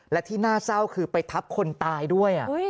และที่น่าเศร้าคือไปทับคนตายด้วย